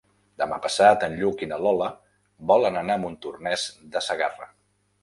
Demà passat en Lluc i na Lola volen anar a Montornès de Segarra.